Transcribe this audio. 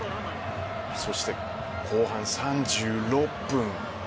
そして後半３６分。